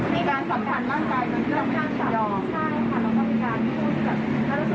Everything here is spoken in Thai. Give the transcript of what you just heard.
เป็นการสัมขาวในตรงนั้นข้างเก็บได้